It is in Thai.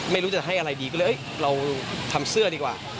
ไม่รู้จะให้อะไรดีก็เลยเราทำเสื้อดีกว่า